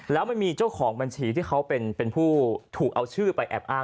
แล้วมันมีเจ้าของบัญชีที่เขาเป็นผู้ถูกเอาชื่อไปแอบอ้าง